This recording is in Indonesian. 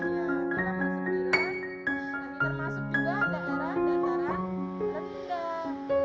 tapi tidak apakah mereka pergi mengawasi keadaan kita